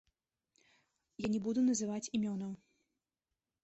Я не буду называць імёнаў.